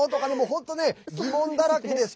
本当ね疑問だらけです。